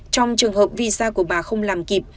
trong trường hợp visa của bà không làm kịp